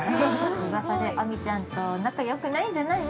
うわさで、亜美ちゃんと仲よくないんじゃないの？